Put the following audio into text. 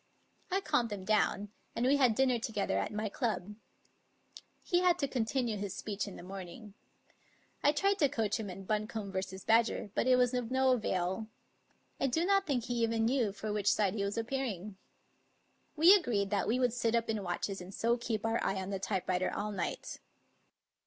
I calmed him down, and we had dinner together at my club. He had to continue his speech in the morning. I tried to coach him in Buncombe v. Badger, but it was of no avail. I do not think he even knew for which side he was appearing. We agreed that we would sit up in watches and so keep our eye on the typewriter all night.